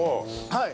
はい。